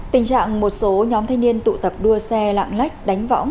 tình trạng một số nhóm thanh niên tụ tập đua xe lạng lách đánh võng